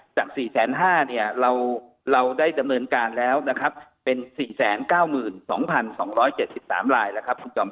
จาก๔๐๕๐๐๐ลายเราได้ดำเนินการแล้วเป็น๔๙๒๒๗๓ลายแล้วครับทุกวัน